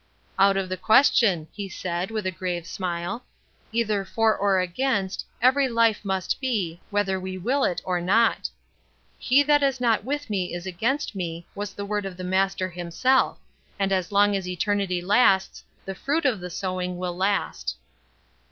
"Out of the question," he said, with a grave smile. "Either for or against, every life must be, whether we will it or not. 'He that is not with me is against me,' was the word of the Master himself, and as long as eternity lasts the fruit of the sowing will last."